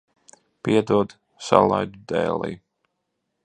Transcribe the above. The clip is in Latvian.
Piedod, salaidu dēlī.